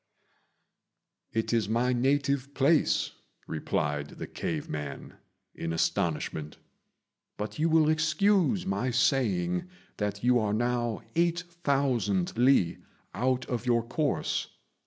"It is my native place," replied the cave man, in astonishment; "but you will excuse my saying that you are now 8,000 li out of your course.